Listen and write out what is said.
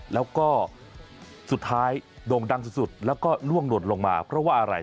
แล้วก็สุดท้ายโด่งดังสุดแล้วก็ล่วงหล่นลงมาเพราะว่าอะไร